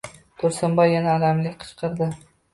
Tursunboy yana alamli qichqirdi.